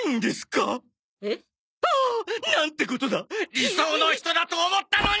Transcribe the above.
理想の人だと思ったのに！